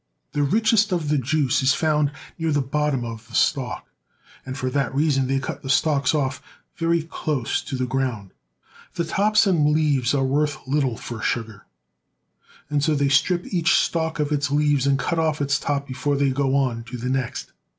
The richest of the juice is found near the bottom of the stalk, and for that reason they cut the stalks off very close to the ground. The tops and leaves are worth little for sugar, and so they strip each stalk of its leaves and cut off its top before they go on to the next.